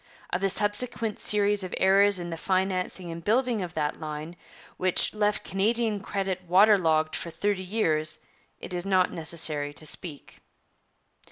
Of the subsequent series of errors in the financing and building of that line, which left Canadian credit water logged for thirty years, it is not necessary to speak.